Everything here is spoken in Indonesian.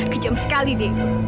kejam sekali deh